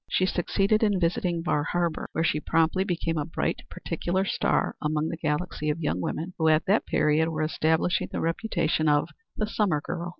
She succeeded in visiting Bar Harbor, where she promptly became a bright particular star among the galaxy of young women who at that period were establishing the reputation of the summer girl.